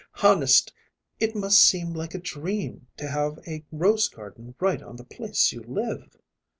"Honest, it must seem like a dream to have a rose garden right on the place you live."